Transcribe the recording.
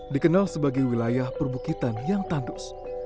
dikenal sebagai wilayah perbukitan yang tandus